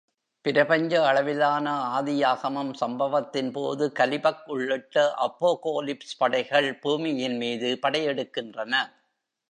பிரபஞ்ச அளவிலான "ஆதியாகமம்" சம்பவத்தின் போது, கலிபக் உள்ளிட்ட அப்போகோலிப்ஸ் படைகள் பூமியின் மீது படையெடுக்கின்றன.